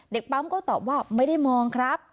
ปั๊มก็ตอบว่าไม่ได้มองครับ